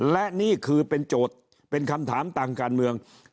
และนี่คือเป็นโจทย์เป็นคำถามต่างการเมือง